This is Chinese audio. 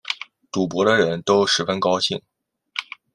赌博的人都十分高兴